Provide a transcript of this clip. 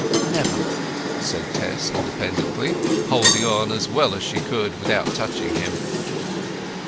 "Never!" said Tess independently, holding on as well as she could without touching him.